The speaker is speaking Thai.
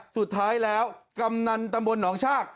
สุดท้ายแล้วกำนันตำบลหนองชาก